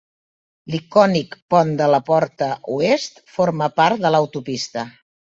L'icònic pont de la porta oest forma part de l'autopista.